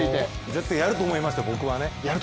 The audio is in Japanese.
絶対やると思いました僕はね。